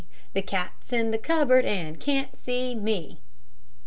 The cat's in the cupboard, And can't see me.